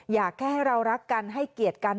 อยากให้เรารักกันให้เกียรติกัน